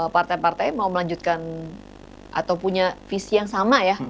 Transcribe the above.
partai partai mau melanjutkan atau punya visi yang sama ya